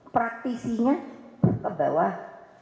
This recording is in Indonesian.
praktisinya ke bawah